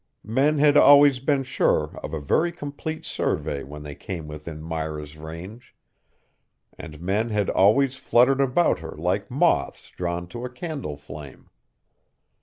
Men had always been sure of a very complete survey when they came within Myra's range, and men had always fluttered about her like moths drawn to a candle flame.